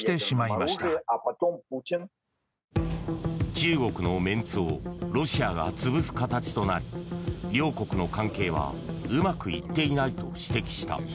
中国のメンツをロシアが潰す形となり両国の関係はうまくいっていないと指摘した。